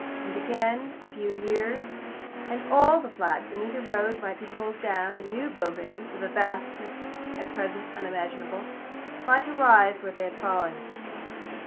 And again a few years, and all the flats in either road might be pulled down, and new buildings, of a vastness at present unimaginable, might arise where they had fallen.